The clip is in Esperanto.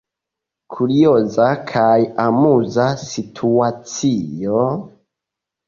Kurioza kaj amuza situacio?